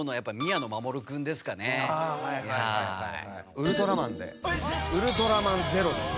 『ウルトラマン』でウルトラマンゼロです。